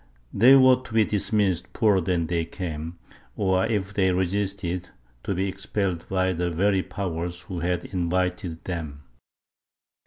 They were to be dismissed poorer than they came, or, if they resisted, to be expelled by the very powers who had invited them.